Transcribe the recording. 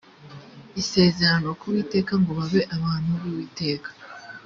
isezerano ku uwiteka ngo babe abantu b uwiteka